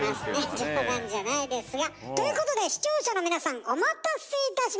冗談じゃないですがということで視聴者の皆さんお待たせいたしました！